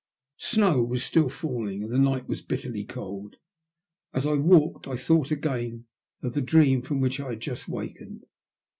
Snow was still falling, and the night was bitterly cold. As I walked I thought again of the dream from which I had just wakened.